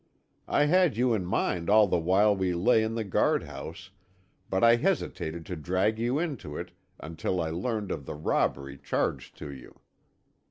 I had you in mind all the while we lay in the guardhouse, but I hesitated to drag you into it, until I learned of the robbery charged to you.